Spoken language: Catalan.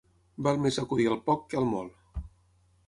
Val més acudir al poc que al molt.